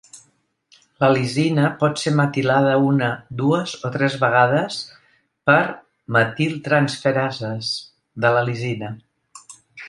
La lisina pot ser metilada una, dues o tres vegades per metiltransferases de la lisina.